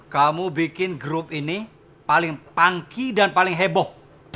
kamu bikin grup ini paling pangki dan paling heboh